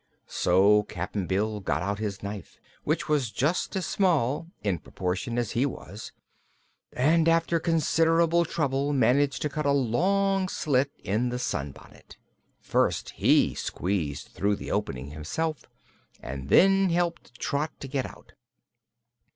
So Cap'n Bill got out his knife, which was just as small, in proportion, as he was, and after considerable trouble managed to cut a long slit in the sunbonnet. First he squeezed through the opening himself and then helped Trot to get out.